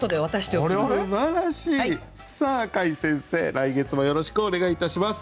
来月もよろしくお願いいたします。